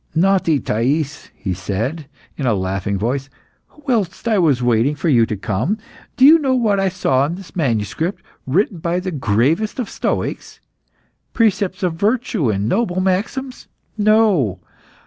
"Naughty Thais," he said, in a laughing voice, "whilst I was waiting for you to come, do you know what I saw in this manuscript, written by the gravest of Stoics? Precepts of virtue and noble maxims: No!